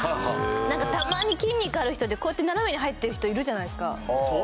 たまに筋肉ある人でこうやって斜めに入ってる人いるじゃないですか